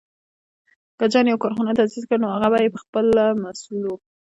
که جان يو کارخونه تاسيس کړه، نو هغه به یې پهخپله مسوول و.